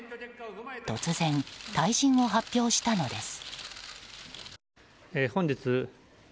突然、退陣を発表したのです。